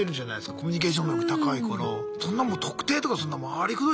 コミュニケーション能力高いからそんなもう「特定」とかそんな回りくどい